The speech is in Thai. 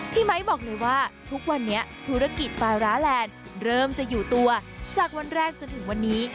ไมค์บอกเลยว่าทุกวันนี้ธุรกิจปลาร้าแลนด์เริ่มจะอยู่ตัวจากวันแรกจนถึงวันนี้